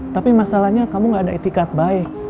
tapi masalahnya kamu gak ada etikat baik